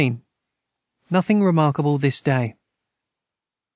Nothing remarkable this day.